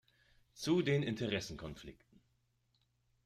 Zu den Interessenkonflikten.